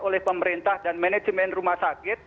oleh pemerintah dan manajemen rumah sakit